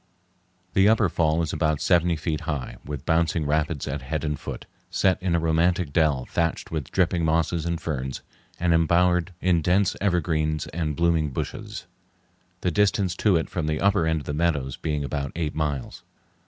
The upper fall is about seventy five feet high, with bouncing rapids at head and foot, set in a romantic dell thatched with dripping mosses and ferns and embowered in dense evergreens and blooming bushes, the distance to it from the upper end of the meadows being about eight miles.